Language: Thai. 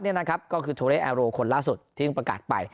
นี่นะครับก็คือโทเล่แอโรคนล่าสุดที่ประกาศไป